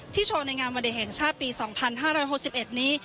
โชว์ในงานวันเด็กแห่งชาติปี๒๕๖๑นี้